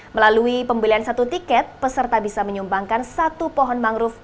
melalui pembelian satu tiket peserta bisa menyumbangkan satu pohon mangrove